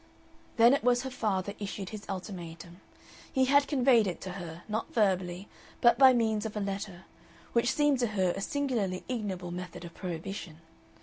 Then it was her father issued his ultimatum. He had conveyed it to her, not verbally, but by means of a letter, which seemed to her a singularly ignoble method of prohibition.